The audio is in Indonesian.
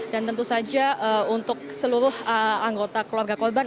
dan tentu saja untuk seluruh anggota keluarga korban